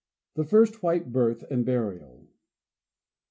The first white Birth and Burial.